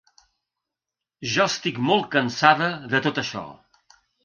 Jo estic molt cansada de tot això.